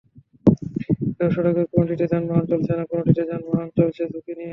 এসব সড়কের কোনোটিতে যানবাহন চলছে না, কোনোটিতে যানবাহন চলছে ঝুঁকি নিয়ে।